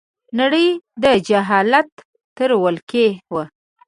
نړۍ د جاهلیت تر ولکې وه